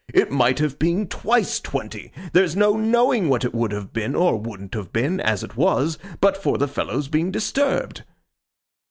'It might have been twice twenty. There's no knowing what it would have been, or wouldn't have been, as it was, but for the fellows' being disturbed.